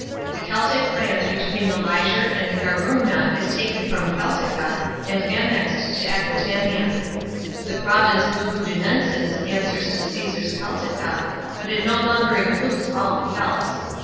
The Celtic land between the Liger and the Garumnais taken from Celtica and annexed to Aquitania. The province Lugudunensis answers to Caesar's Celtica, but it no longer includes all the Celts.